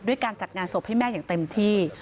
การจัดงานศพให้แม่อย่างเต็มที่